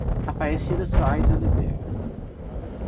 Aparecido Soares Oliveira